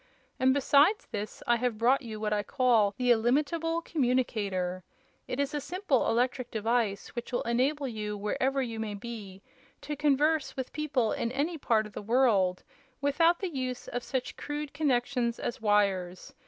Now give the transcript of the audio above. And, besides this, I have brought you what I call the Illimitable Communicator. It is a simple electric device which will enable you, wherever you may be, to converse with people in any part of the world, without the use of such crude connections as wires.